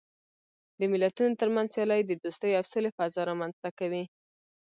د ملتونو ترمنځ سیالۍ د دوستۍ او سولې فضا رامنځته کوي.